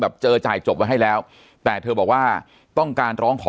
เจอจ่ายจบไว้ให้แล้วแต่เธอบอกว่าต้องการร้องขอ